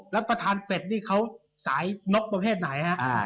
แล้วประธานเป็ดนี่เขาสายนกประเภทไหนฮะ